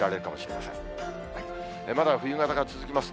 まだ冬型が続きます。